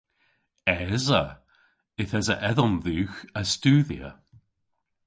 Esa. Yth esa edhom dhywgh a studhya.